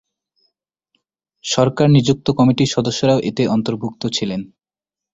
সরকার নিযুক্ত কমিটির সদস্যরাও এতে অন্তর্ভুক্ত ছিলেন।